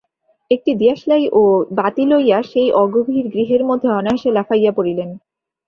একটি দিয়াশলাই ও বাতি লইয়া সেই অগভীর গৃহের মধ্যে অনায়াসে লাফাইয়া পড়িলেন।